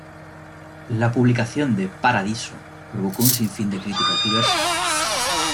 La publicación de "Paradiso" provocó un sinfín de críticas diversas.